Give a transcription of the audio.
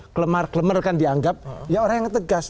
kelemar kelemar kan dianggap ya orang yang tegas